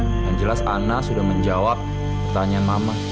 yang jelas anak suistu menjawab pertanyaan mama